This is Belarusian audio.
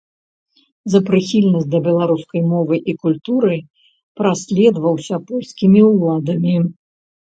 За прыхільнасць да беларускай мовы і культуры праследаваўся польскімі ўладамі.